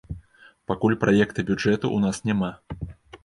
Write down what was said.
Пакуль праекта бюджэту ў нас няма.